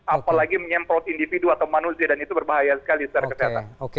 apalagi menyemprot individu atau manusia dan itu berbahaya sekali secara kesehatan